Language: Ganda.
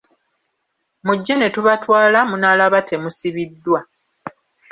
Mujje ne tubatwala munaalaba temusibiddwa.